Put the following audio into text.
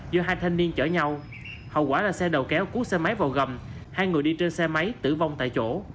do hai thanh niên chở nhau hậu quả là xe đầu kéo cú xe máy vào gầm hai người đi trên xe máy tử vong tại chỗ